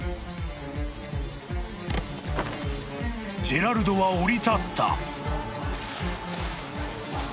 ［ジェラルドは降り立った］